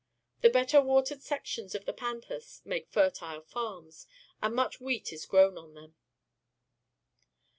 The better watered sections of the pampas make fertile farms, and much wheat is grown on them.